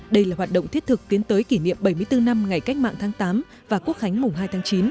đây là hoạt động thiết thực tiến tới kỷ niệm bảy mươi bốn năm ngày cách mạng tháng tám và quốc khánh mùng hai tháng chín